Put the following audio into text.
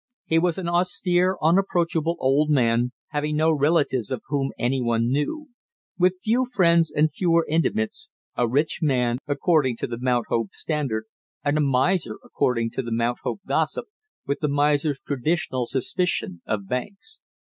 He was an austere unapproachable old man, having no relatives of whom any one knew; with few friends and fewer intimates; a rich man, according to the Mount Hope standard, and a miser according to the Mount Hope gossip, with the miser's traditional suspicion of banks.